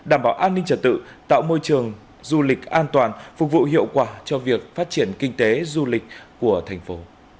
đảm bảo an ninh trật tự tạo môi trường du lịch an toàn phục vụ hiệu quả cho việc phát triển kinh tế du lịch của thành phố